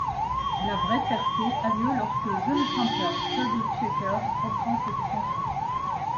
La vraie percée a lieu lorsque le jeune chanteur Chubby Checker reprend cette chanson.